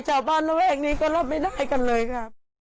ชาวบ้านระแวกนี้ก็รับไม่ได้กันเลยค่ะ